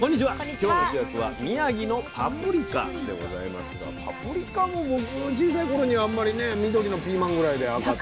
今日の主役は宮城のパプリカでございますがパプリカも僕小さい頃にあんまりね緑のピーマンぐらいで赤と。